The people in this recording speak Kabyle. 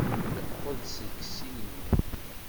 Yeqqel-d seg ssinima.